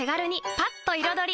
パッと彩り！